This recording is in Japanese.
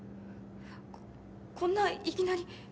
ここんないきなり！？